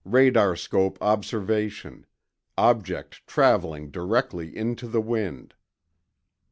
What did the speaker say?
Radarscope observation ... object traveling directly into the wind.